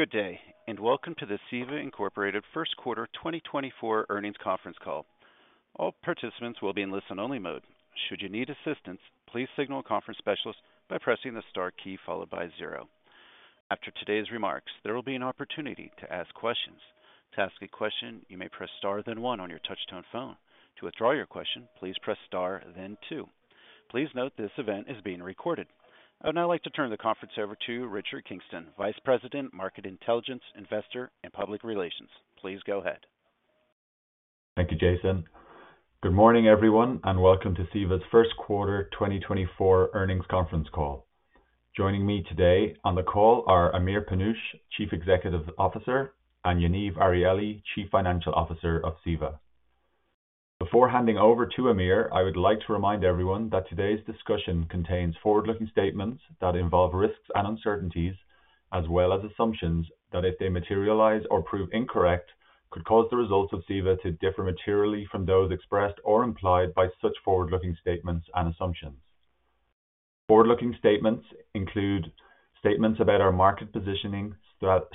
Good day and welcome to the CEVA Incorporated First Quarter 2024 Earnings Conference Call. All participants will be in listen-only mode. Should you need assistance, please signal a conference specialist by pressing the star key followed by zero. After today's remarks, there will be an opportunity to ask questions. To ask a question, you may press star then one on your touch-tone phone. To withdraw your question, please press star then two. Please note this event is being recorded. I would now like to turn the conference over to Richard Kingston, Vice President, Market Intelligence, Investor, and Public Relations. Please go ahead. Thank you, Jason. Good morning, everyone, and welcome to CEVA's First Quarter 2024 Earnings Conference Call. Joining me today on the call are Amir Panush, Chief Executive Officer, and Yaniv Arieli, Chief Financial Officer of CEVA. Before handing over to Amir, I would like to remind everyone that today's discussion contains forward-looking statements that involve risks and uncertainties, as well as assumptions that if they materialize or prove incorrect, could cause the results of CEVA to differ materially from those expressed or implied by such forward-looking statements and assumptions. Forward-looking statements include statements about our market positioning,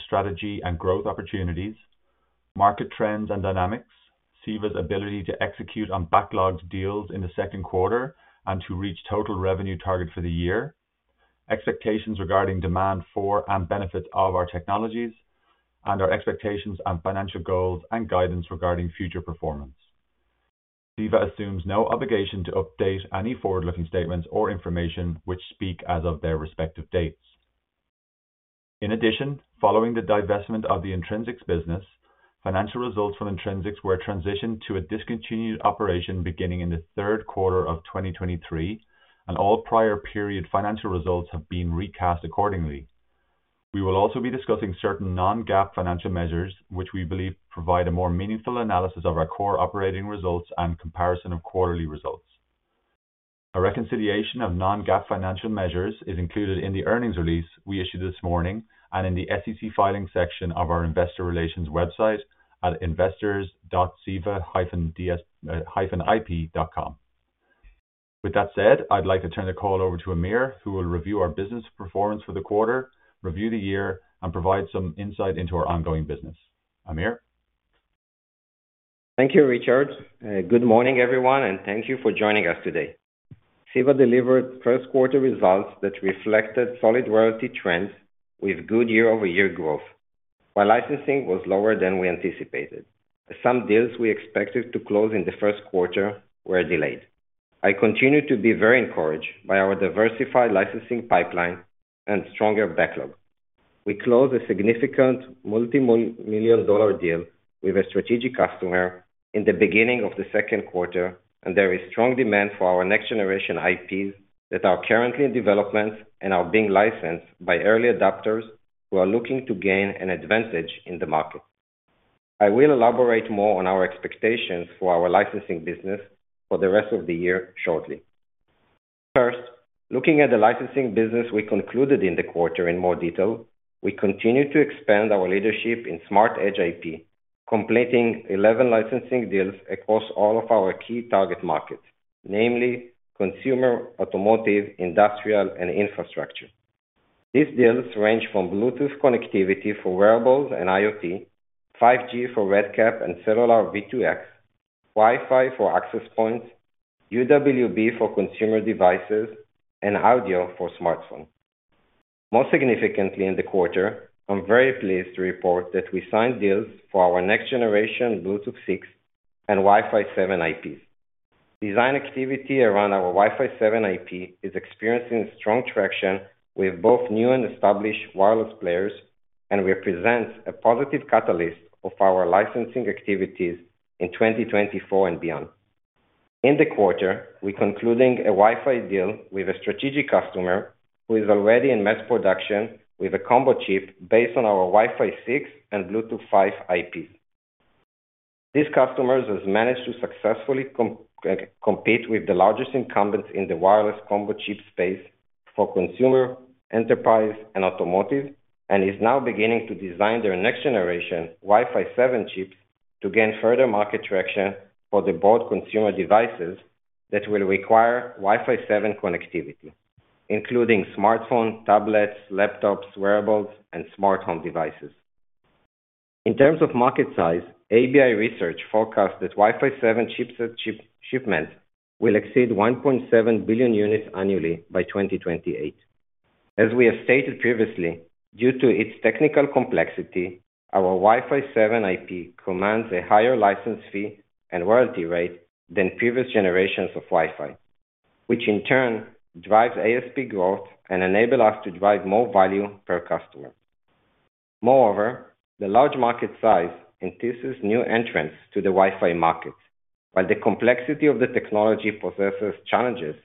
strategy, and growth opportunities; market trends and dynamics; CEVA's ability to execute on backlogged deals in the second quarter and to reach total revenue target for the year; expectations regarding demand for and benefits of our technologies; and our expectations on financial goals and guidance regarding future performance. CEVA assumes no obligation to update any forward-looking statements or information which speak as of their respective dates. In addition, following the divestment of the Intrinsix business, financial results from Intrinsix were transitioned to a discontinued operation beginning in the third quarter of 2023, and all prior period financial results have been recast accordingly. We will also be discussing certain non-GAAP financial measures, which we believe provide a more meaningful analysis of our core operating results and comparison of quarterly results. A reconciliation of non-GAAP financial measures is included in the earnings release we issued this morning and in the SEC filing section of our investor relations website at investors.ceva-dsp.com. With that said, I'd like to turn the call over to Amir, who will review our business performance for the quarter, review the year, and provide some insight into our ongoing business. Amir? Thank you, Richard. Good morning, everyone, and thank you for joining us today. CEVA delivered first quarter results that reflected solid royalty trends with good year-over-year growth, while licensing was lower than we anticipated. Some deals we expected to close in the first quarter were delayed. I continue to be very encouraged by our diversified licensing pipeline and stronger backlog. We closed a significant multi-million dollar deal with a strategic customer in the beginning of the second quarter, and there is strong demand for our next-generation IPs that are currently in development and are being licensed by early adopters who are looking to gain an advantage in the market. I will elaborate more on our expectations for our licensing business for the rest of the year shortly. First, looking at the licensing business we concluded in the quarter in more detail, we continue to expand our leadership in Smart Edge IP, completing 11 licensing deals across all of our key target markets, namely consumer, automotive, industrial, and infrastructure. These deals range from Bluetooth connectivity for wearables and IoT, 5G RedCap and Cellular V2X, Wi-Fi for access points, UWB for consumer devices, and audio for smartphones. Most significantly in the quarter, I'm very pleased to report that we signed deals for our next-generation Bluetooth 6 and Wi-Fi 7 IPs. Design activity around our Wi-Fi 7 IP is experiencing strong traction with both new and established wireless players, and represents a positive catalyst of our licensing activities in 2024 and beyond. In the quarter, we concluded a Wi-Fi deal with a strategic customer who is already in mass production with a combo chip based on our Wi-Fi 6 and Bluetooth 5 IPs. This customer has managed to successfully compete with the largest incumbents in the wireless combo chip space for consumer, enterprise, and automotive, and is now beginning to design their next-generation Wi-Fi 7 chips to gain further market traction for the broad consumer devices that will require Wi-Fi 7 connectivity, including smartphones, tablets, laptops, wearables, and smart home devices. In terms of market size, ABI Research forecasts that Wi-Fi 7 chipset shipments will exceed 1.7 billion units annually by 2028. As we have stated previously, due to its technical complexity, our Wi-Fi 7 IP commands a higher license fee and royalty rate than previous generations of Wi-Fi, which in turn drives ASP growth and enables us to drive more value per customer. Moreover, the large market size entices new entrants to the Wi-Fi market, while the complexity of the technology poses challenges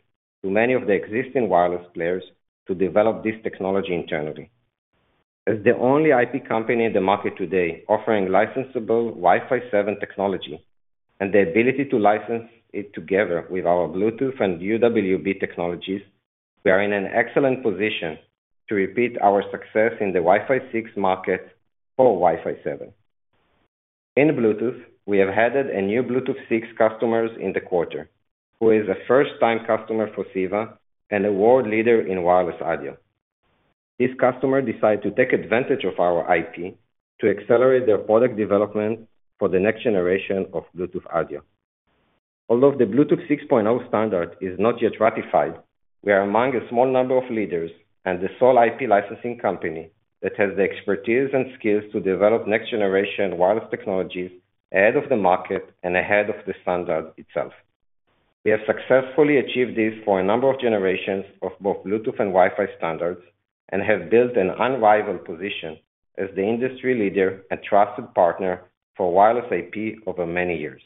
to many of the existing wireless players to develop this technology internally. As the only IP company in the market today offering licensable Wi-Fi 7 technology and the ability to license it together with our Bluetooth and UWB technologies, we are in an excellent position to repeat our success in the Wi-Fi 6 market for Wi-Fi 7. In Bluetooth, we have added a new Bluetooth 6 customer in the quarter, who is a first-time customer for CEVA and a world leader in wireless audio. This customer decided to take advantage of our IP to accelerate their product development for the next generation of Bluetooth audio. Although the Bluetooth 6.0 standard is not yet ratified, we are among a small number of leaders and the sole IP licensing company that has the expertise and skills to develop next-generation wireless technologies ahead of the market and ahead of the standard itself. We have successfully achieved this for a number of generations of both Bluetooth and Wi-Fi standards and have built an unrivaled position as the industry leader and trusted partner for wireless IP over many years.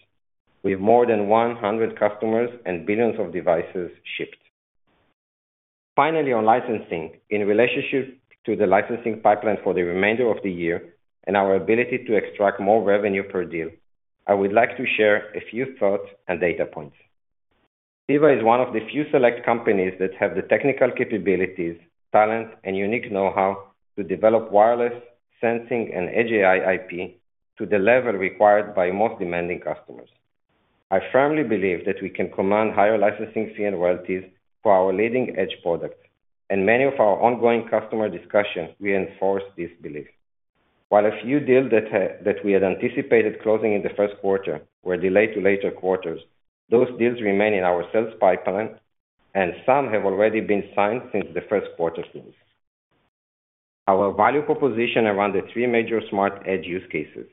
We have more than 100 customers and billions of devices shipped. Finally, on licensing, in relationship to the licensing pipeline for the remainder of the year and our ability to extract more revenue per deal, I would like to share a few thoughts and data points. CEVA is one of the few select companies that have the technical capabilities, talent, and unique know-how to develop wireless sensing and edge AI IP to the level required by most demanding customers. I firmly believe that we can command higher licensing fee and royalties for our leading-edge products, and many of our ongoing customer discussions reinforce this belief. While a few deals that we had anticipated closing in the first quarter were delayed to later quarters, those deals remain in our sales pipeline, and some have already been signed since the first quarter's release. Our value proposition around the three major Smart Edge use cases,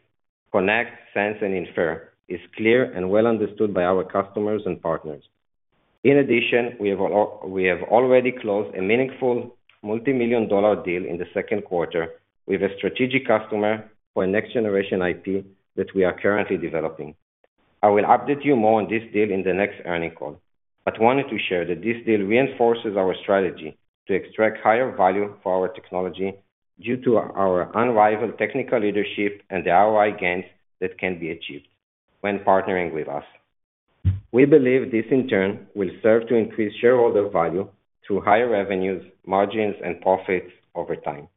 Connect, Sense, and Infer, is clear and well understood by our customers and partners. In addition, we have already closed a meaningful multi-million-dollar deal in the second quarter with a strategic customer for a next-generation IP that we are currently developing. I will update you more on this deal in the next earnings call, but wanted to share that this deal reinforces our strategy to extract higher value for our technology due to our unrivaled technical leadership and the ROI gains that can be achieved when partnering with us. We believe this, in turn, will serve to increase shareholder value through higher revenues, margins, and profits over time.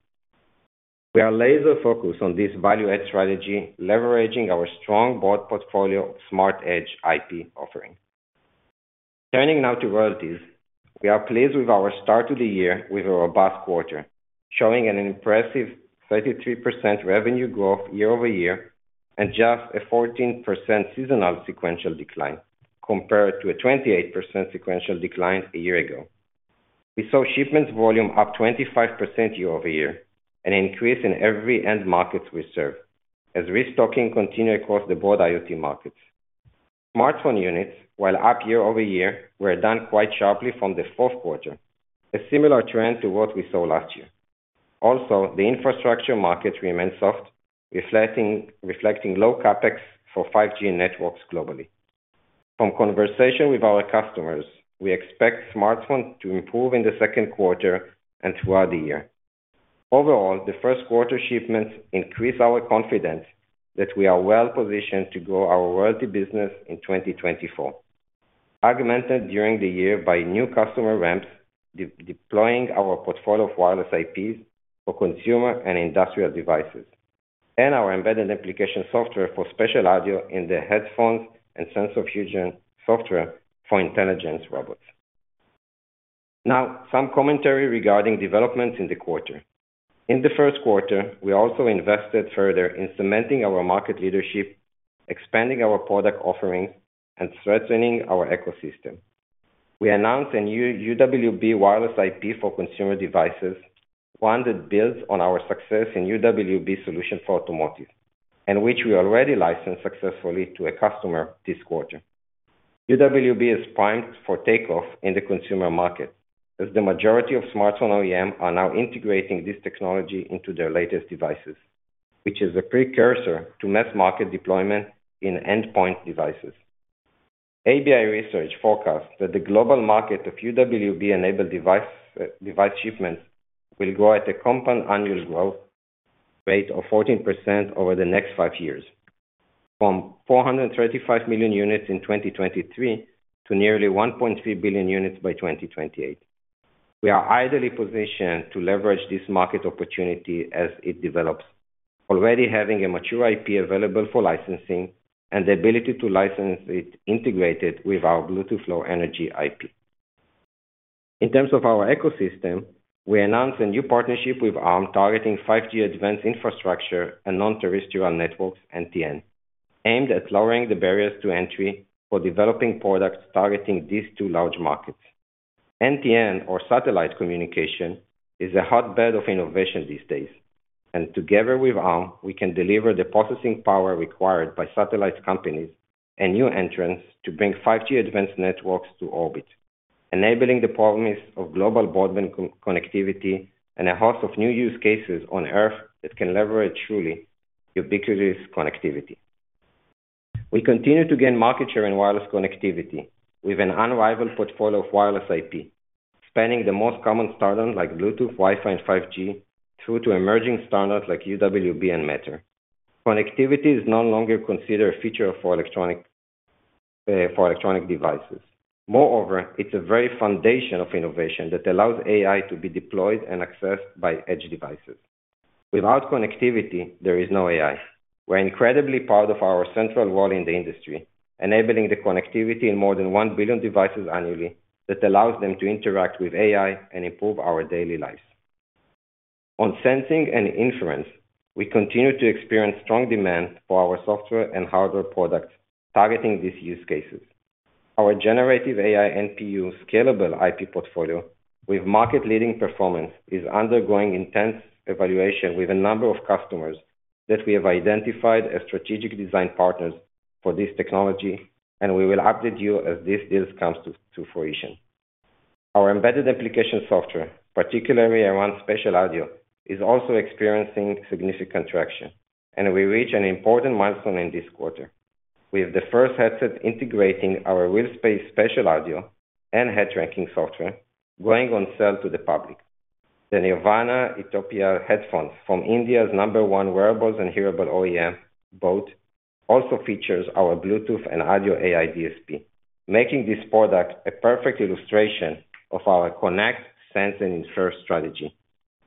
We are laser-focused on this value-add strategy, leveraging our strong broad portfolio of Smart Edge IP offerings. Turning now to royalties, we are pleased with our start of the year with a robust quarter, showing an impressive 33% revenue growth year-over-year and just a 14% seasonal sequential decline compared to a 28% sequential decline a year ago. We saw shipments volume up 25% year-over-year, an increase in every end market we serve, as restocking continued across the broad IoT markets. Smartphone units, while up year-over-year, were down quite sharply from the fourth quarter, a similar trend to what we saw last year. Also, the infrastructure market remained soft, reflecting low Capex for 5G networks globally. From conversations with our customers, we expect smartphones to improve in the second quarter and throughout the year. Overall, the first quarter shipments increased our confidence that we are well positioned to grow our royalty business in 2024, augmented during the year by new customer ramps deploying our portfolio of wireless IPs for consumer and industrial devices, and our embedded application software for spatial audio in the headphones and sensor fusion software for intelligent robots. Now, some commentary regarding developments in the quarter. In the first quarter, we also invested further in cementing our market leadership, expanding our product offerings, and strengthening our ecosystem. We announced a new UWB wireless IP for consumer devices, one that builds on our success in UWB solution for automotive, and which we already licensed successfully to a customer this quarter. UWB is primed for takeoff in the consumer market, as the majority of smartphone OEMs are now integrating this technology into their latest devices, which is a precursor to mass market deployment in endpoint devices. ABI Research forecasts that the global market of UWB-enabled device shipments will grow at a compound annual growth rate of 14% over the next five years, from 435 million units in 2023 to nearly 1.3 billion units by 2028. We are ideally positioned to leverage this market opportunity as it develops, already having a mature IP available for licensing and the ability to license it integrated with our Bluetooth Low Energy IP. In terms of our ecosystem, we announced a new partnership with Arm targeting 5G Advanced infrastructure and non-terrestrial networks (NTN), aimed at lowering the barriers to entry for developing products targeting these two large markets. NTN, or satellite communication, is a hotbed of innovation these days, and together with Arm, we can deliver the processing power required by satellite companies and new entrants to bring 5G Advanced networks to orbit, enabling the promise of global broadband connectivity and a host of new use cases on Earth that can leverage truly ubiquitous connectivity. We continue to gain market share in wireless connectivity with an unrivaled portfolio of wireless IP, spanning the most common standards like Bluetooth, Wi-Fi, and 5G through to emerging standards like UWB and Matter. Connectivity is no longer considered a feature for electronic devices. Moreover, it's a very foundation of innovation that allows AI to be deployed and accessed by edge devices. Without connectivity, there is no AI. We're incredibly proud of our central role in the industry, enabling the connectivity in more than 1 billion devices annually that allows them to interact with AI and improve our daily lives. On sensing and inference, we continue to experience strong demand for our software and hardware products targeting these use cases. Our generative AI NPU scalable IP portfolio with market-leading performance is undergoing intense evaluation with a number of customers that we have identified as strategic design partners for this technology, and we will update you as this deal comes to fruition. Our embedded application software, particularly around spatial audio, is also experiencing significant traction, and we reached an important milestone in this quarter with the first headset integrating our RealSpace spatial audio and head tracking software, going on sale to the public. The Nirvana Eutopia headphones from India's number one wearables and hearables OEM boAt also feature our Bluetooth and audio AI DSP, making this product a perfect illustration of our Connect, Sense, and Infer strategy,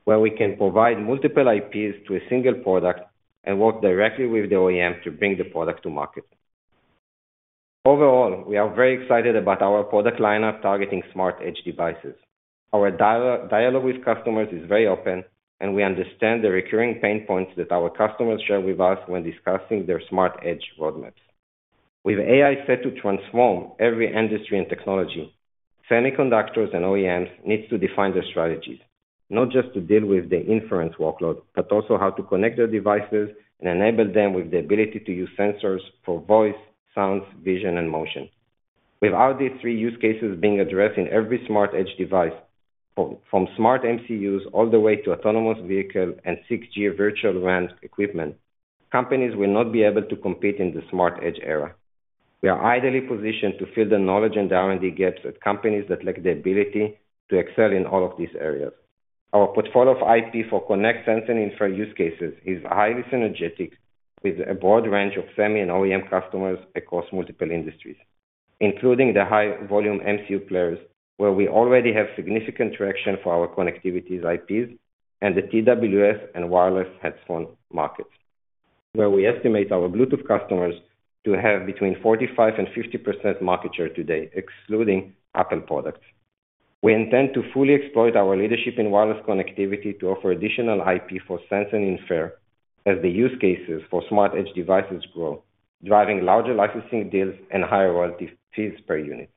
where we can provide multiple IPs to a single product and work directly with the OEM to bring the product to market. Overall, we are very excited about our product lineup targeting Smart Edge devices. Our dialogue with customers is very open, and we understand the recurring pain points that our customers share with us when discussing their Smart Edge roadmaps. With AI set to transform every industry and technology, semiconductors and OEMs need to define their strategies, not just to deal with the inference workload, but also how to connect their devices and enable them with the ability to use sensors for voice, sounds, vision, and motion. With these three use cases being addressed in every Smart Edge device, from smart MCUs all the way to autonomous vehicles and 6G virtual RAN equipment, companies will not be able to compete in the Smart Edge era. We are ideally positioned to fill the knowledge and R&D gaps at companies that lack the ability to excel in all of these areas. Our portfolio of IP for Connect, Sense, and Infer use cases is highly synergetic with a broad range of semi and OEM customers across multiple industries, including the high-volume MCU players, where we already have significant traction for our connectivity's IPs and the TWS and wireless headphone markets, where we estimate our Bluetooth customers to have between 45% and 50% market share today, excluding Apple products. We intend to fully exploit our leadership in wireless connectivity to offer additional IP for sense and infer as the use cases for smart edge devices grow, driving larger licensing deals and higher royalty fees per unit.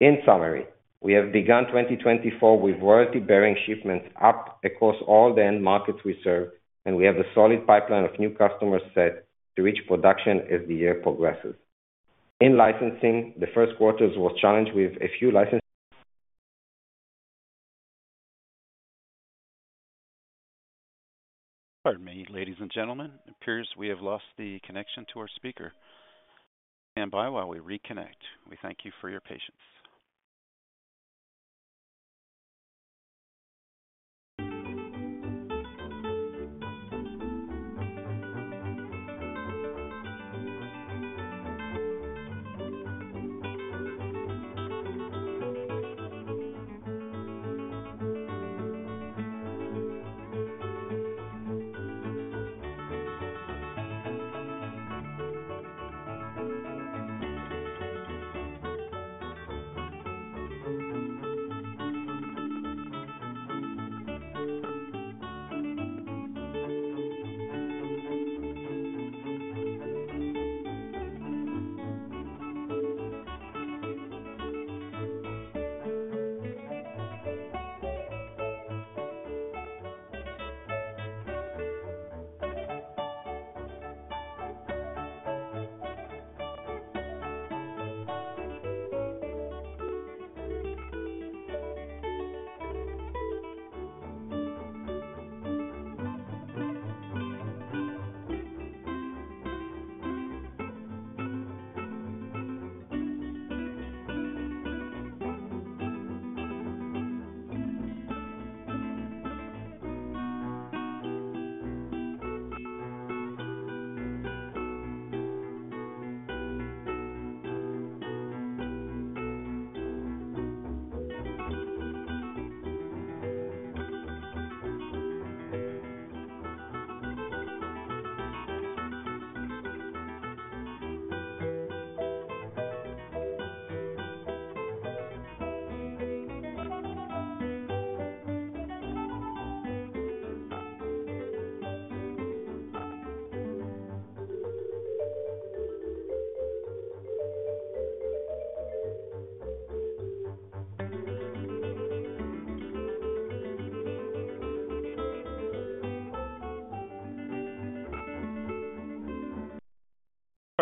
In summary, we have begun 2024 with royalty-bearing shipments up across all the end markets we serve, and we have a solid pipeline of new customers set to reach production as the year progresses. In licensing, the first quarter was challenged with a few license. Pardon me, ladies and gentlemen. It appears we have lost the connection to our speaker. Stand by while we reconnect. We thank you for your patience.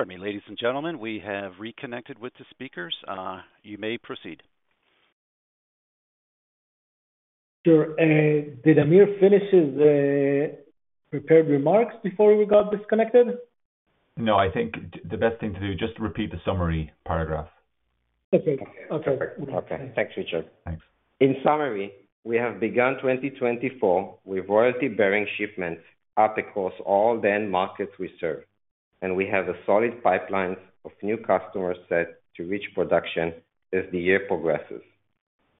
Pardon me, ladies and gentlemen. We have reconnected with the speakers. You may proceed. Sure. Did Amir finish his prepared remarks before we got disconnected? No, I think the best thing to do is just repeat the summary paragraph. That's it. Okay. Perfect. Okay. Thanks, Richard. Thanks. In summary, we have begun 2024 with royalty-bearing shipments up across all the end markets we serve, and we have solid pipelines of new customers set to reach production as the year progresses.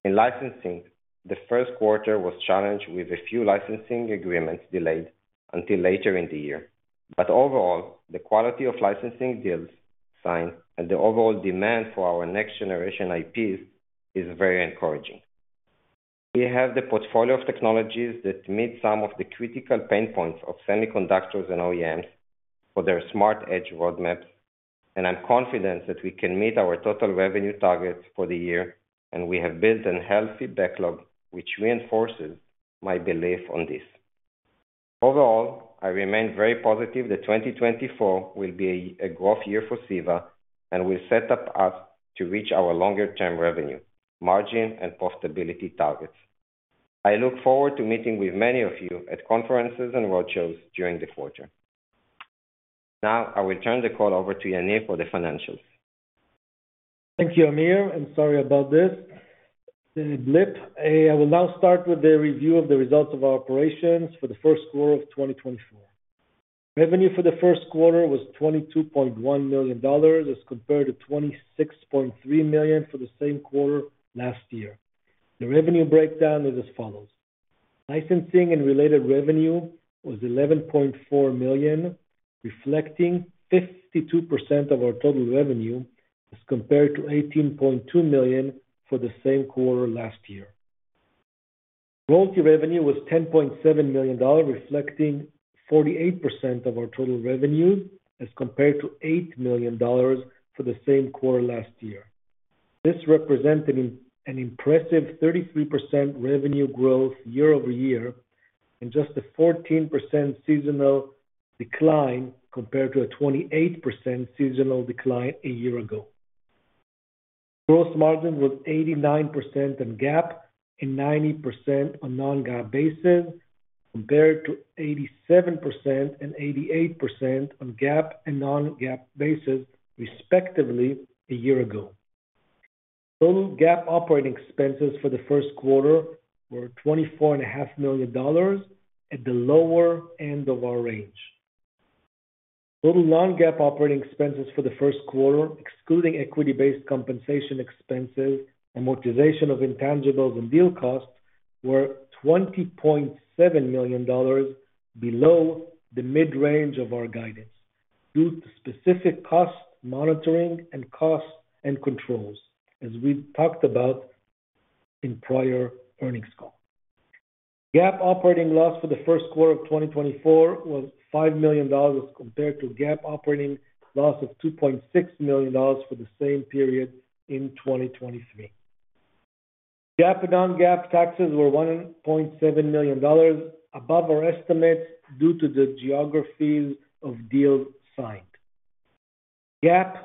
In licensing, the first quarter was challenged with a few licensing agreements delayed until later in the year, but overall, the quality of licensing deals signed and the overall demand for our next generation IPs is very encouraging. We have the portfolio of technologies that meet some of the critical pain points of semiconductors and OEMs for their smart edge roadmaps, and I'm confident that we can meet our total revenue targets for the year, and we have built a healthy backlog, which reinforces my belief on this. Overall, I remain very positive that 2024 will be a growth year for CEVA and will set up us to reach our longer-term revenue, margin, and profitability targets. I look forward to meeting with many of you at conferences and roadshows during the quarter. Now, I will turn the call over to Yaniv for the financials. Thank you, Amir. And sorry about this. I will now start with a review of the results of our operations for the first quarter of 2024. Revenue for the first quarter was $22.1 million as compared to $26.3 million for the same quarter last year. The revenue breakdown is as follows: licensing and related revenue was $11.4 million, reflecting 52% of our total revenue as compared to $18.2 million for the same quarter last year. Royalty revenue was $10.7 million, reflecting 48% of our total revenue as compared to $8 million for the same quarter last year. This represented an impressive 33% revenue growth year-over-year and just a 14% seasonal decline compared to a 28% seasonal decline a year ago. Gross margin was 89% on GAAP and 90% on non-GAAP basis compared to 87% and 88% on GAAP and non-GAAP basis, respectively, a year ago. Total GAAP operating expenses for the first quarter were $24.5 million at the lower end of our range. Total non-GAAP operating expenses for the first quarter, excluding equity-based compensation expenses, amortization of intangibles, and deal costs, were $20.7 million below the mid-range of our guidance due to specific cost monitoring and controls, as we talked about in prior earnings call. GAAP operating loss for the first quarter of 2024 was $5 million as compared to GAAP operating loss of $2.6 million for the same period in 2023. GAAP and non-GAAP taxes were $1.7 million above our estimates due to the geographies of deals signed. GAAP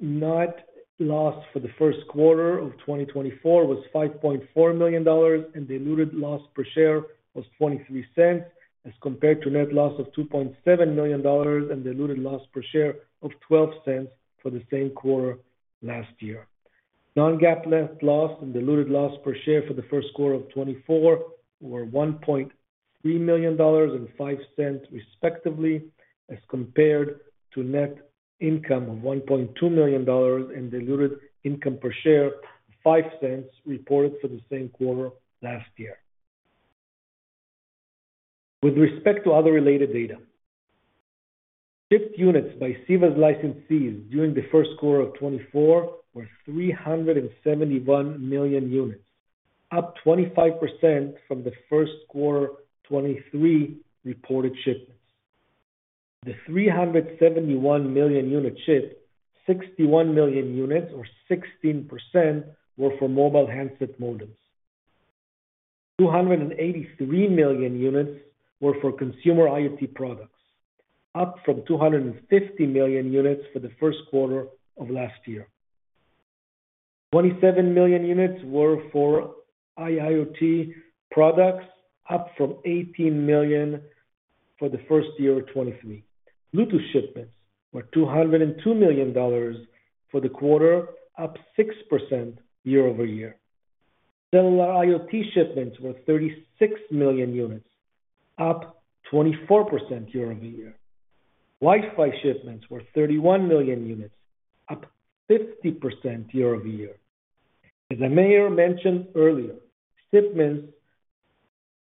net loss for the first quarter of 2024 was $5.4 million, and diluted loss per share was $0.23 as compared to net loss of $2.7 million and diluted loss per share of $0.12 for the same quarter last year. Non-GAAP net loss and diluted loss per share for the first quarter of 2024 were $1.3 million and $0.05, respectively, as compared to net income of $1.2 million and diluted income per share of $0.05 reported for the same quarter last year. With respect to other related data, shipped units by CEVA's licensees during the first quarter of 2024 were 371 million units, up 25% from the first quarter 2023 reported shipments. The 371 million units shipped, 61 million units, or 16% were for mobile handset modems. 283 million units were for consumer IoT products, up from 250 million units for the first quarter of last year. 27 million units were for IoT products, up from 18 million for the first quarter of 2023. Bluetooth shipments were 202 million for the quarter, up 6% year-over-year. Cellular IoT shipments were 36 million units, up 24% year-over-year. Wi-Fi shipments were 31 million units, up 50% year-over-year. As Amir mentioned earlier, shipments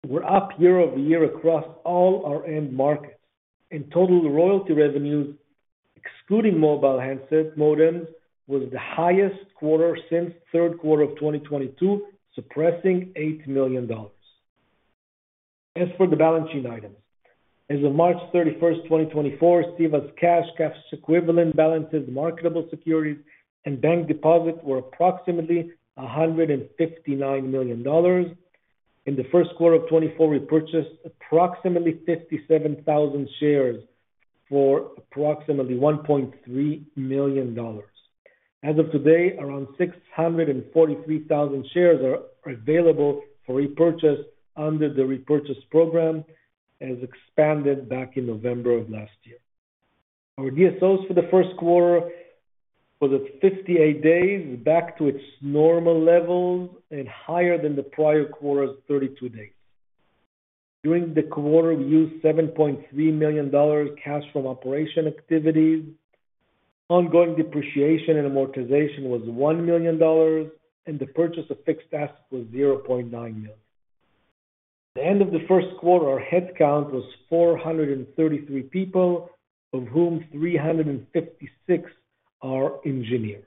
were up year-over-year across all our end markets, and total royalty revenues, excluding mobile handset modems, was the highest quarter since third quarter of 2022, surpassing $8 million. As for the balance sheet items, as of March 31, 2024, CEVA's cash, cash equivalent balances, marketable securities, and bank deposit were approximately $159 million. In the first quarter of 2024, we purchased approximately 57,000 shares for approximately $1.3 million. As of today, around 643,000 shares are available for repurchase under the repurchase program as expanded back in November of last year. Our DSOs for the first quarter was at 58 days, back to its normal levels and higher than the prior quarter's 32 days. During the quarter, we used $7.3 million cash from operation activities. Ongoing depreciation and amortization was $1 million, and the purchase of fixed assets was $0.9 million. At the end of the first quarter, our headcount was 433 people, of whom 356 are engineers.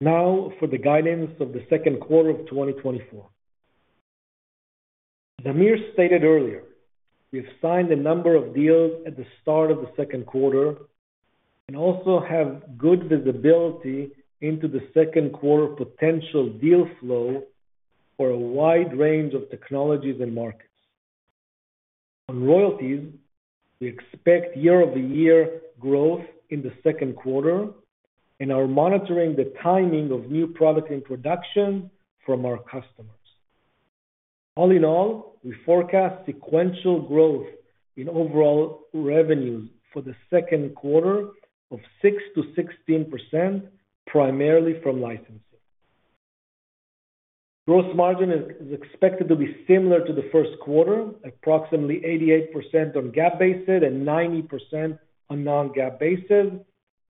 Now, for the guidance of the second quarter of 2024, the CEO stated earlier, "We have signed a number of deals at the start of the second quarter and also have good visibility into the second quarter potential deal flow for a wide range of technologies and markets." On royalties, we expect year-over-year growth in the second quarter, and are monitoring the timing of new product introduction from our customers. All in all, we forecast sequential growth in overall revenues for the second quarter of 6%-16%, primarily from licensing. Gross margin is expected to be similar to the first quarter, approximately 88% on GAAP-based and 90% on non-GAAP-based,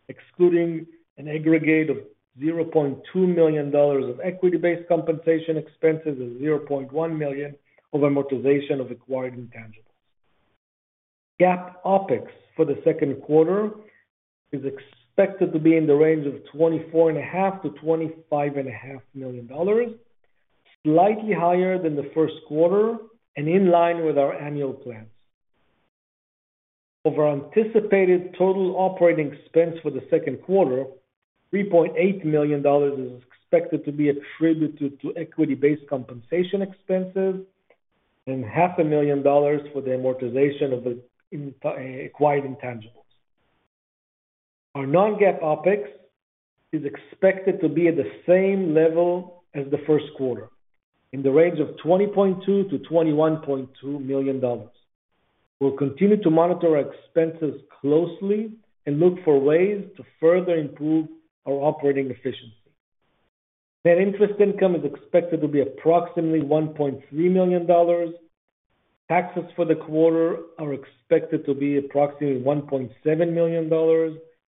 excluding an aggregate of $0.2 million of equity-based compensation expenses and $0.1 million of amortization of acquired intangibles. GAAP OpEx for the second quarter is expected to be in the range of $24.5 million-$25.5 million, slightly higher than the first quarter and in line with our annual plans. Of our anticipated total operating expense for the second quarter, $3.8 million is expected to be attributed to equity-based compensation expenses and $500,000 for the amortization of acquired intangibles. Our non-GAAP OpEx is expected to be at the same level as the first quarter, in the range of $20.2 million-$21.2 million. We'll continue to monitor our expenses closely and look for ways to further improve our operating efficiency. Net interest income is expected to be approximately $1.3 million. Taxes for the quarter are expected to be approximately $1.7 million,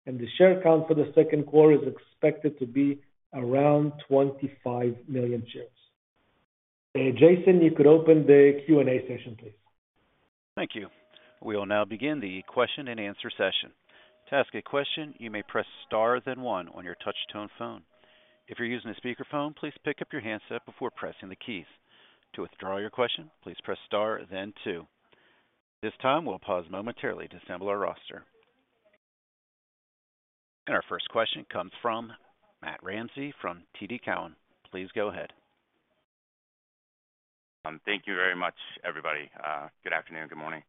and the share count for the second quarter is expected to be around 25 million shares. Jason, you could open the Q&A session, please. Thank you. We will now begin the question-and-answer session. To ask a question, you may press star then one on your touch-tone phone. If you're using a speakerphone, please pick up your handset before pressing the keys. To withdraw your question, please press star then two. This time, we'll pause momentarily to assemble our roster. And our first question comes from Matt Ramsey from TD Cowen. Please go ahead. Thank you very much, everybody. Good afternoon. Good morning.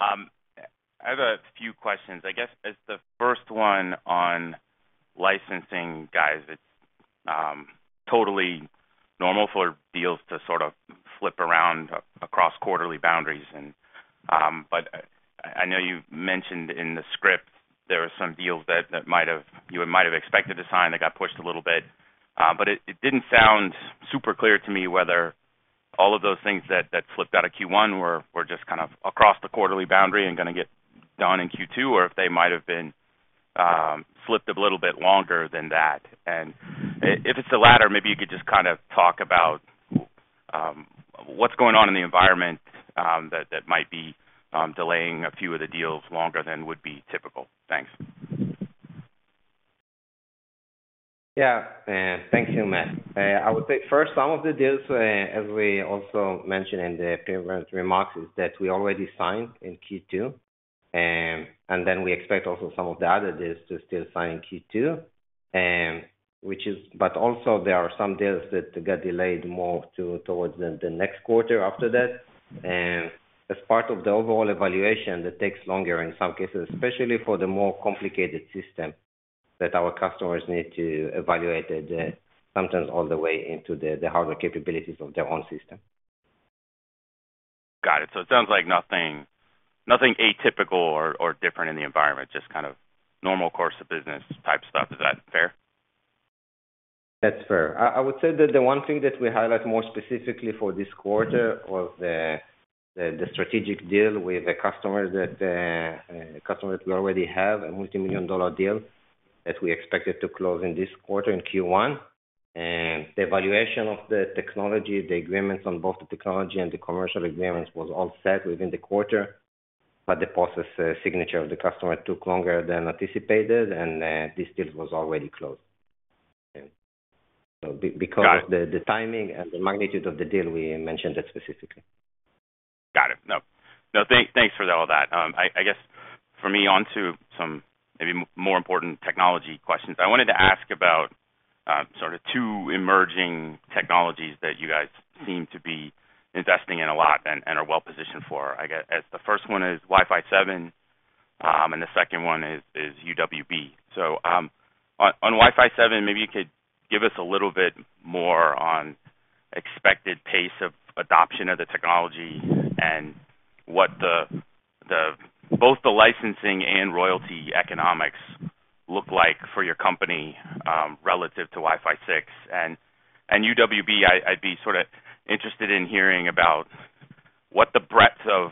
I have a few questions. I guess as the first one on licensing, guys, it's totally normal for deals to sort of flip around across quarterly boundaries. I know you mentioned in the script there were some deals that you might have expected to sign that got pushed a little bit. It didn't sound super clear to me whether all of those things that flipped out of Q1 were just kind of across the quarterly boundary and going to get done in Q2 or if they might have been flipped a little bit longer than that. If it's the latter, maybe you could just kind of talk about what's going on in the environment that might be delaying a few of the deals longer than would be typical. Thanks. Yeah. Thanks so much. I would say first, some of the deals, as we also mentioned in the preliminary remarks, is that we already signed in Q2, and then we expect also some of the other deals to still sign in Q2, which is but also, there are some deals that got delayed more towards the next quarter after that. And as part of the overall evaluation, that takes longer in some cases, especially for the more complicated system that our customers need to evaluate sometimes all the way into the hardware capabilities of their own system. Got it. So it sounds like nothing atypical or different in the environment, just kind of normal course of business type stuff. Is that fair? That's fair. I would say that the one thing that we highlight more specifically for this quarter was the strategic deal with a customer that we already have, a multimillion-dollar deal that we expected to close in this quarter, in Q1. The evaluation of the technology, the agreements on both the technology and the commercial agreements was all set within the quarter, but the process signature of the customer took longer than anticipated, and this deal was already closed. So because of the timing and the magnitude of the deal, we mentioned that specifically. Got it. No, thanks for all that. I guess for me, on to some maybe more important technology questions. I wanted to ask about sort of two emerging technologies that you guys seem to be investing in a lot and are well-positioned for. I guess the first one is Wi-Fi 7, and the second one is UWB. So on Wi-Fi 7, maybe you could give us a little bit more on expected pace of adoption of the technology and both the licensing and royalty economics look like for your company relative to Wi-Fi 6. And UWB, I'd be sort of interested in hearing about what the breadth of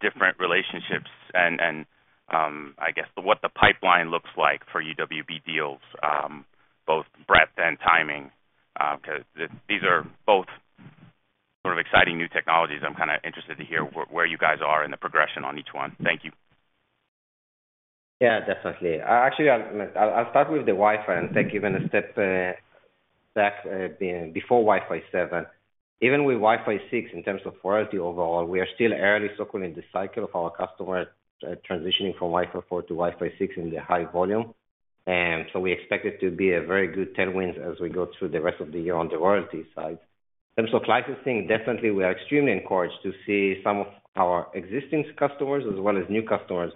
different relationships and, I guess, what the pipeline looks like for UWB deals, both breadth and timing because these are both sort of exciting new technologies. I'm kind of interested to hear where you guys are in the progression on each one. Thank you. Yeah, definitely. Actually, I'll start with the Wi-Fi and take even a step back before Wi-Fi 7. Even with Wi-Fi 6, in terms of royalty overall, we are still early in the cycle of our customer transitioning from Wi-Fi 4 to Wi-Fi 6 in the high volume. So we expect it to be a very good tailwinds as we go through the rest of the year on the royalty side. In terms of licensing, definitely, we are extremely encouraged to see some of our existing customers as well as new customers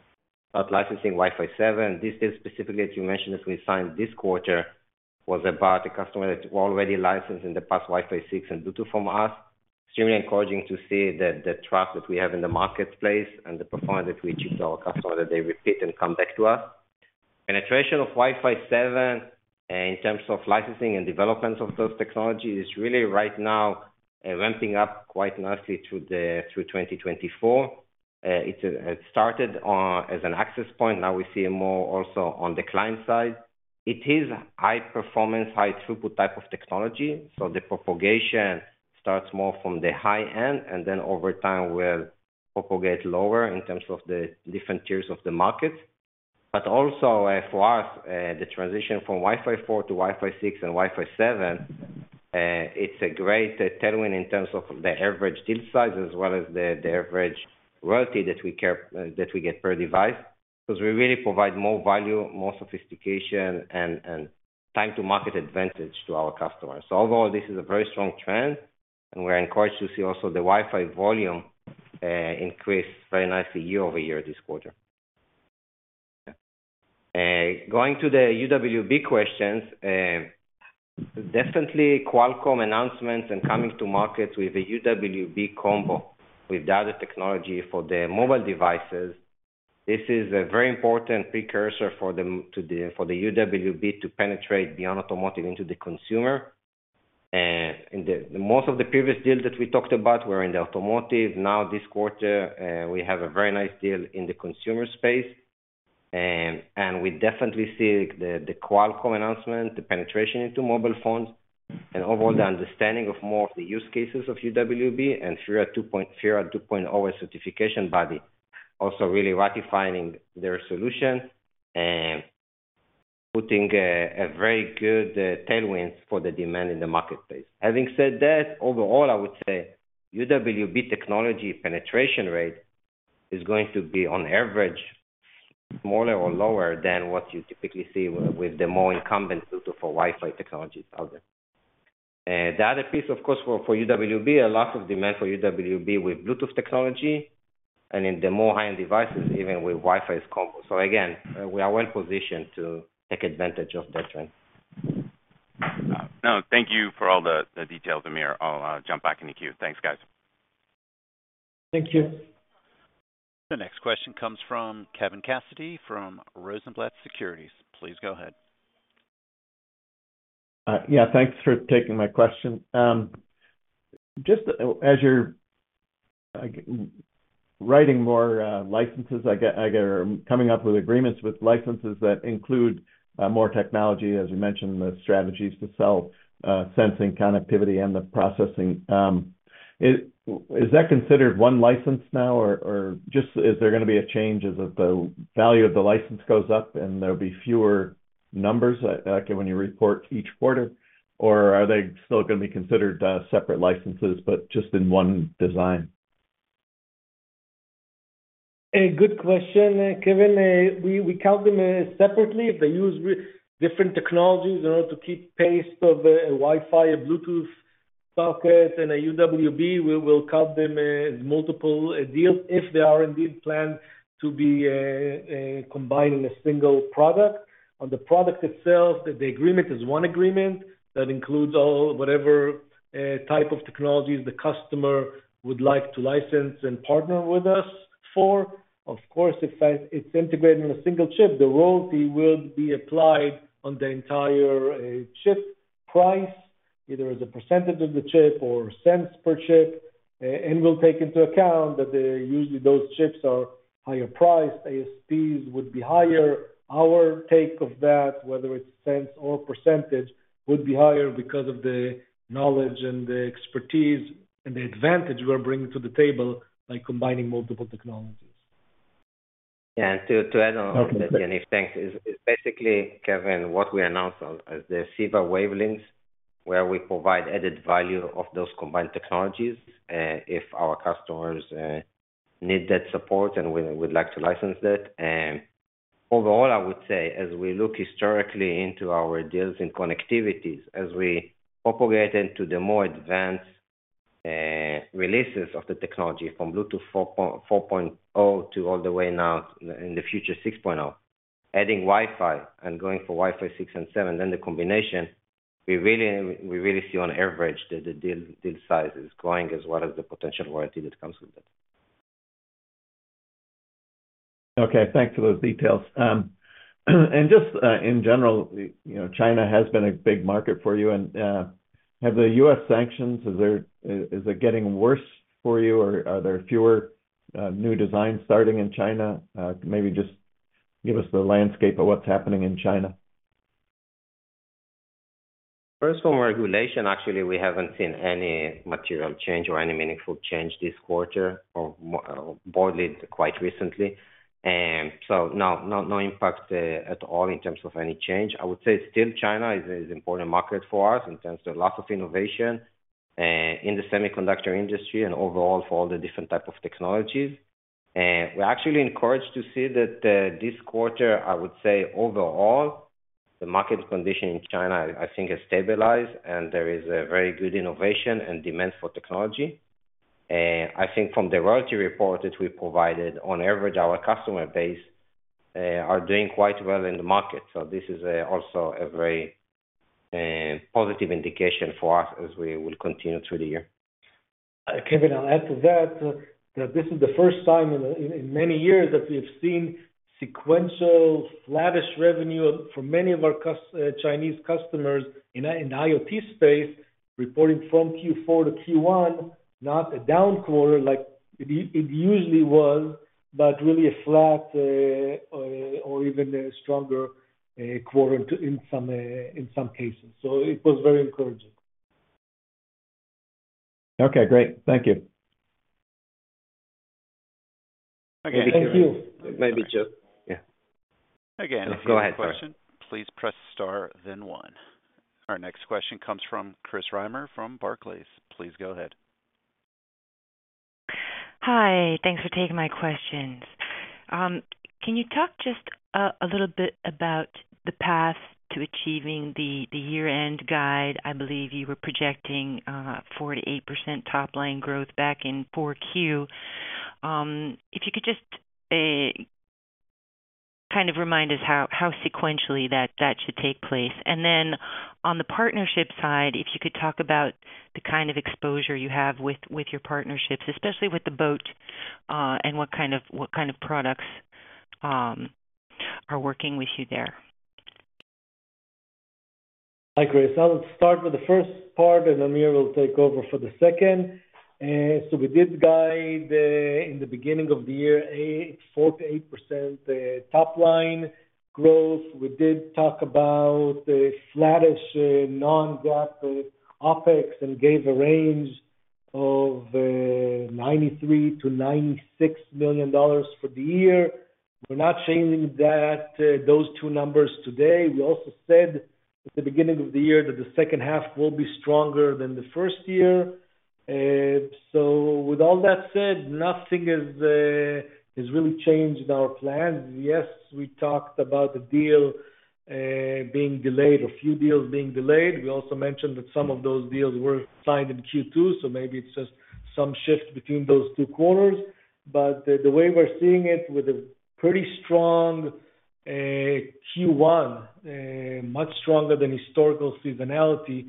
start licensing Wi-Fi 7. This deal specifically, as you mentioned, as we signed this quarter, was about a customer that were already licensed in the past Wi-Fi 6 and Bluetooth from us, extremely encouraging to see the trust that we have in the marketplace and the performance that we achieved to our customer that they repeat and come back to us. Penetration of Wi-Fi 7 in terms of licensing and developments of those technologies is really right now ramping up quite nicely through 2024. It started as an access point. Now we see it more also on the client side. It is high performance, high throughput type of technology. So the propagation starts more from the high end, and then over time, will propagate lower in terms of the different tiers of the market. But also, for us, the transition from Wi-Fi 4 to Wi-Fi 6 and Wi-Fi 7, it's a great tailwind in terms of the average deal size as well as the average royalty that we get per device because we really provide more value, more sophistication, and time-to-market advantage to our customers. So overall, this is a very strong trend, and we're encouraged to see also the Wi-Fi volume increase very nicely year-over-year this quarter. Going to the UWB questions, definitely, Qualcomm announcements and coming to market with a UWB combo chip with UWB technology for the mobile devices. This is a very important precursor for the UWB to penetrate beyond automotive into the consumer. Most of the previous deals that we talked about were in the automotive. Now, this quarter, we have a very nice deal in the consumer space. We definitely see the Qualcomm announcement, the penetration into mobile phones, and overall, the understanding of more of the use cases of UWB and FiRa 2.0 certification body also really ratifying their solution and putting a very good tailwinds for the demand in the marketplace. Having said that, overall, I would say UWB technology penetration rate is going to be, on average, smaller or lower than what you typically see with the more incumbent Bluetooth or Wi-Fi technologies out there. The other piece, of course, for UWB, a lot of demand for UWB with Bluetooth technology and in the more high-end devices, even with Wi-Fi as a combo. Again, we are well-positioned to take advantage of that trend. No, thank you for all the details, Amir. I'll jump back into queue. Thanks, guys. Thank you. The next question comes from Kevin Cassidy from Rosenblatt Securities. Please go ahead. Yeah, thanks for taking my question. Just as you're writing more licenses, I guess, or coming up with agreements with licenses that include more technology, as you mentioned, the strategies to sell sensing, connectivity, and the processing, is that considered one license now, or just is there going to be a change as the value of the license goes up and there'll be fewer numbers when you report each quarter, or are they still going to be considered separate licenses but just in one design? Good question, Kevin. We count them separately. If they use different technologies in order to keep pace with a Wi-Fi, a Bluetooth stack, and a UWB, we'll count them as multiple deals if they are indeed planned to be combined in a single product. On the product itself, the agreement is one agreement that includes whatever type of technologies the customer would like to license and partner with us for. Of course, if it's integrated in a single chip, the royalty will be applied on the entire chip price, either as a percentage of the chip or cents per chip. We'll take into account that usually those chips are higher priced. ASPs would be higher. Our take rate of that, whether it's cents or percentage, would be higher because of the knowledge and the expertise and the advantage we're bringing to the table by combining multiple technologies. Yeah. And to add on, Yaniv, thanks. It's basically, Kevin, what we announced as the CEVA-Waves Links where we provide added value of those combined technologies if our customers need that support and would like to license that. Overall, I would say, as we look historically into our deals and connectivities, as we propagate into the more advanced releases of the technology from Bluetooth 4.0 to all the way now in the future, 6.0, adding Wi-Fi and going for Wi-Fi 6 and 7, then the combination, we really see on average that the deal size is growing as well as the potential royalty that comes with it. Okay. Thanks for those details. Just in general, China has been a big market for you. And how have the U.S. sanctions—is it getting worse for you, or are there fewer new designs starting in China? Maybe just give us the landscape of what's happening in China. First of all, regarding regulation, actually, we haven't seen any material change or any meaningful change this quarter or borderline quite recently. So no, no impact at all in terms of any change. I would say still, China is an important market for us in terms of lots of innovation in the semiconductor industry and overall for all the different type of technologies. We're actually encouraged to see that this quarter, I would say, overall, the market condition in China, I think, has stabilized, and there is very good innovation and demand for technology. I think from the royalty report that we provided, on average, our customer base are doing quite well in the market. So this is also a very positive indication for us as we will continue through the year. Kevin, I'll add to that that this is the first time in many years that we've seen sequential, flat-ish revenue for many of our Chinese customers in the IoT space reporting from Q4-Q1, not a down quarter like it usually was, but really a flat or even a stronger quarter in some cases. So it was very encouraging. Okay. Great. Thank you. Thank you. Maybe just. Again, if you have a question, please press star, then one. Our next question comes from Chris Reimer from Barclays. Please go ahead. Hi. Thanks for taking my questions. Can you talk just a little bit about the path to achieving the year-end guide? I believe you were projecting 4%-8% top-line growth back in 4Q. If you could just kind of remind us how sequentially that should take place. And then on the partnership side, if you could talk about the kind of exposure you have with your partnerships, especially with boAt, and what kind of products are working with you there. Hi, Chris. I'll start with the first part, and Amir will take over for the second. So we did guide in the beginning of the year, 4%-8% top-line growth. We did talk about flat-ish non-GAAP OpEx and gave a range of $93 million-$96 million for the year. We're not changing those two numbers today. We also said at the beginning of the year that the second half will be stronger than the first year. So with all that said, nothing has really changed in our plans. Yes, we talked about the deal being delayed, a few deals being delayed. We also mentioned that some of those deals were signed in Q2, so maybe it's just some shift between those two quarters. The way we're seeing it with a pretty strong Q1, much stronger than historical seasonality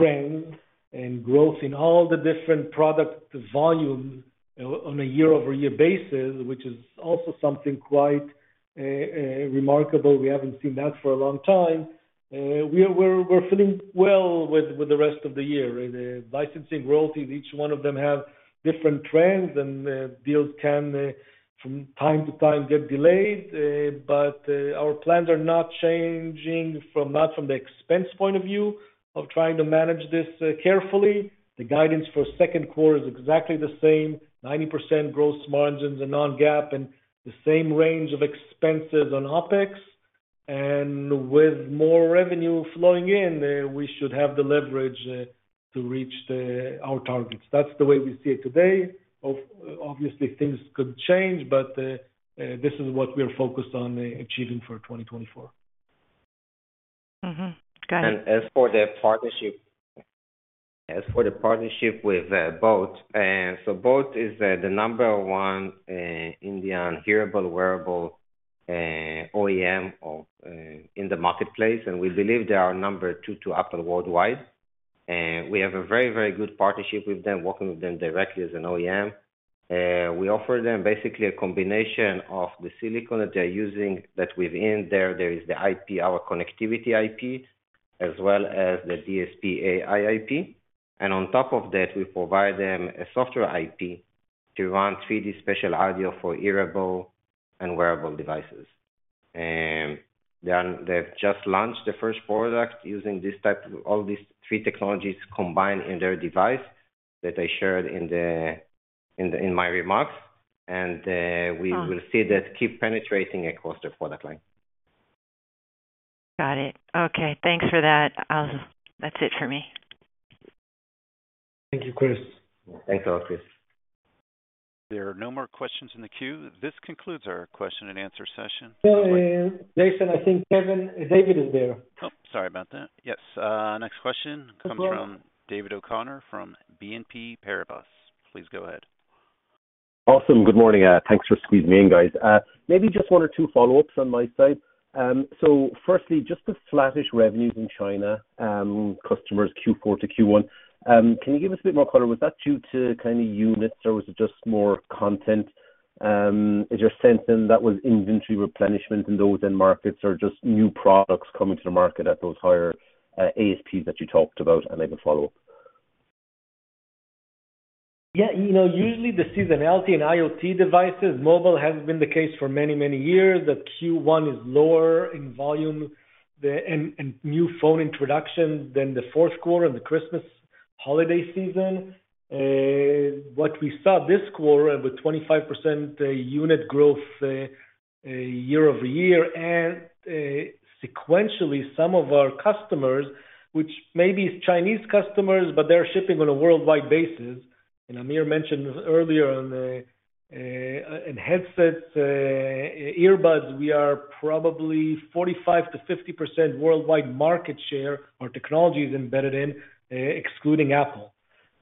trends and growth in all the different product volumes on a year-over-year basis, which is also something quite remarkable. We haven't seen that for a long time. We're feeling well with the rest of the year. Licensing, royalties, each one of them have different trends, and deals can from time to time get delayed. But our plans are not changing not from the expense point of view of trying to manage this carefully. The guidance for second quarter is exactly the same, 90% gross margins and Non-GAAP, and the same range of expenses on OpEx. With more revenue flowing in, we should have the leverage to reach our targets. That's the way we see it today. Obviously, things could change, but this is what we are focused on achieving for 2024. Got it. As for the partnership with boAt, so boAt is the number one Indian hearables and wearables OEM in the marketplace, and we believe they are number two to Apple worldwide. We have a very, very good partnership with them, working with them directly as an OEM. We offer them basically a combination of the silicon that they're using that within there is the IP, our connectivity IP, as well as the DSP AI IP. And on top of that, we provide them a software IP to run 3D spatial audio for hearables and wearables devices. They've just launched the first product using all these three technologies combined in their device that I shared in my remarks. And we will see that keep penetrating across the product line. Got it. Okay. Thanks for that. That's it for me. Thank you, Chris. Thanks a lot, Chris. There are no more questions in the queue. This concludes our question-and-answer session. Jason, I think Kevin--- David is there. Oh, sorry about that. Yes. Next question comes from David O'Connor from BNP Paribas. Please go ahead. Awesome. Good morning. Thanks for squeezing me in, guys. Maybe just one or two follow-ups on my side. So firstly, just the flat-ish revenues in China customers Q4-Q1, can you give us a bit more color? Was that due to kind of units, or was it just more content? Is there a sense that that was inventory replenishment in those end markets or just new products coming to the market at those higher ASPs that you talked about? And maybe follow up. Yeah. Usually, the seasonality in IoT devices, mobile has been the case for many, many years that Q1 is lower in volume and new phone introductions than the fourth quarter and the Christmas holiday season. What we saw this quarter with 25% unit growth year-over-year, and sequentially, some of our customers, which maybe are Chinese customers, but they're shipping on a worldwide basis. And Amir mentioned earlier in headsets, earbuds, we are probably 45%-50% worldwide market share or technologies embedded in, excluding Apple.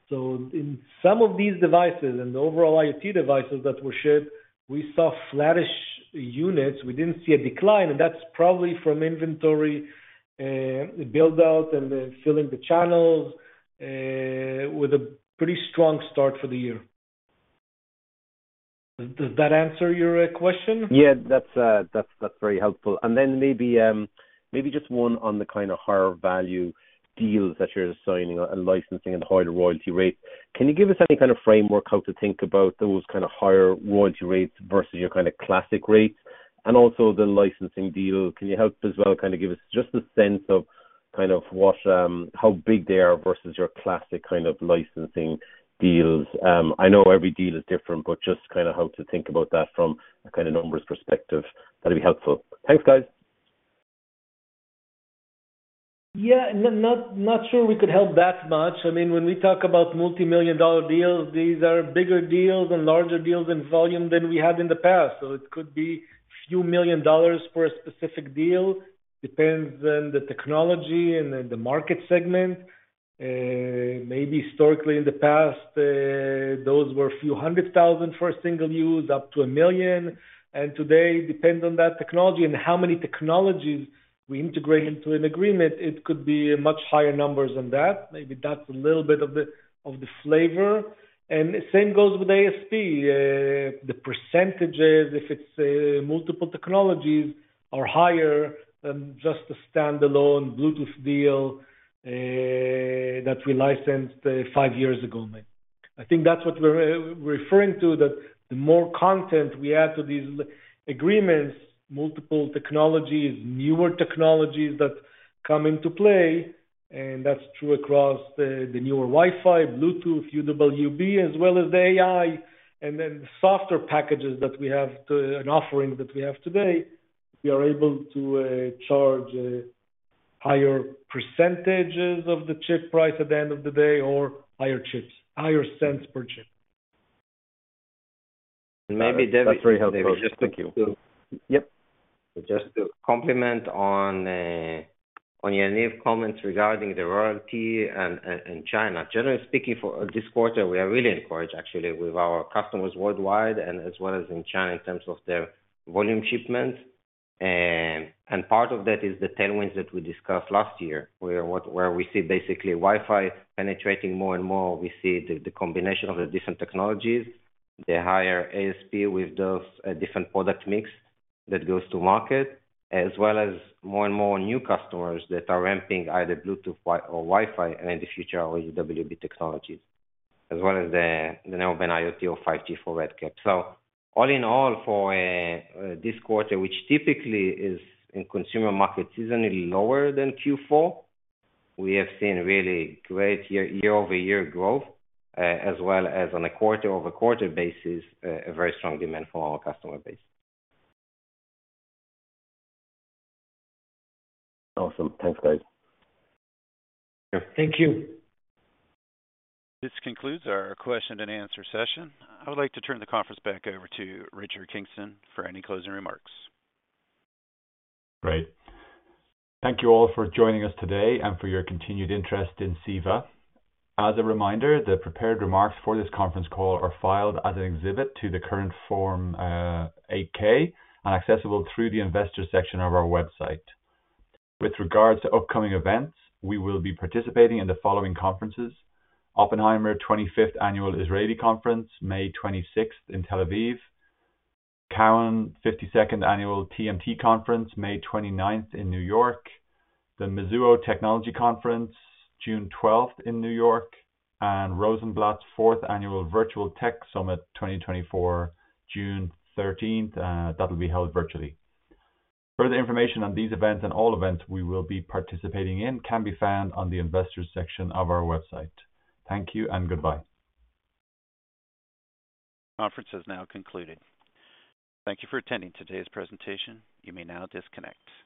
So in some of these devices and the overall IoT devices that were shipped, we saw flat-ish units. We didn't see a decline, and that's probably from inventory buildout and filling the channels with a pretty strong start for the year. Does that answer your question? Yeah. That's very helpful. And then maybe just one on the kind of higher value deals that you're signing and licensing and the higher royalty rates. Can you give us any kind of framework how to think about those kind of higher royalty rates versus your kind of classic rates? And also the licensing deal, can you help as well kind of give us just a sense of kind of how big they are versus your classic kind of licensing deals? I know every deal is different, but just kind of how to think about that from a kind of numbers perspective. That'll be helpful. Thanks, guys. Yeah. Not sure we could help that much. I mean, when we talk about multimillion-dollar deals, these are bigger deals and larger deals in volume than we had in the past. So it could be a few million dollar for a specific deal. Depends on the technology and the market segment. Maybe historically, in the past, those were a few hundred thousand for a single use, up to $1 million. And today, depending on that technology and how many technologies we integrate into an agreement, it could be much higher numbers than that. Maybe that's a little bit of the flavor. And same goes with ASP. The percentages, if it's multiple technologies, are higher than just a standalone Bluetooth deal that we licensed five years ago, maybe. I think that's what we're referring to, that the more content we add to these agreements, multiple technologies, newer technologies that come into play. That's true across the newer Wi-Fi, Bluetooth, UWB, as well as the AI, and then the software packages that we have and offerings that we have today. We are able to charge higher percentages of the chip price at the end of the day or higher ASPs, higher cents per chip. And maybe, David, just to. That's very helpful. Thank you. Yep. Just to comment on Yaniv's comments regarding the royalty in China. Generally speaking, for this quarter, we are really encouraged, actually, with our customers worldwide and as well as in China in terms of their volume shipment. Part of that is the tailwinds that we discussed last year, where we see basically Wi-Fi penetrating more and more. We see the combination of the different technologies, the higher ASP with those different product mix that goes to market, as well as more and more new customers that are ramping either Bluetooth or Wi-Fi and in the future UWB technologies, as well as the now-being IoT or 5G RedCap. So all in all, for this quarter, which typically is in consumer market seasonally lower than Q4, we have seen really great year-over-year growth, as well as on a quarter-over-quarter basis, a very strong demand from our customer base. Awesome. Thanks, guys. Thank you. This concludes our question-and-answer session. I would like to turn the conference back over to Richard Kingston for any closing remarks. Great. Thank you all for joining us today and for your continued interest in CEVA. As a reminder, the prepared remarks for this conference call are filed as an exhibit to the current Form 8-K and accessible through the investor section of our website. With regards to upcoming events, we will be participating in the following conferences: Oppenheimer 25th Annual Israel Conference, May 26th in Tel Aviv; TD Cowen 52nd Annual TMT Conference, May 29th in New York; the Mizuho Technology Conference, June 12th in New York; and Rosenblatt's 4th Annual Virtual Tech Summit, June 13th, 2024. That'll be held virtually. Further information on these events and all events we will be participating in can be found on the investors section of our website. Thank you and goodbye. Conference has now concluded. Thank you for attending today's presentation. You may now disconnect.